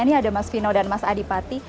ini ada mas vino dan mas adipati